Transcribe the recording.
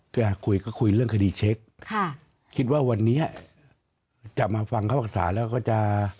คุยก็คุยเรื่องคดีเช็คคิดว่าวันนี้จะมาฟังเข้าอักษะแล้วก็จะ